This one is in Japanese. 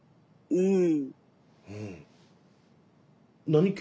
うん。